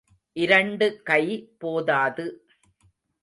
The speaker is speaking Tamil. இரண்டு கை போதாது.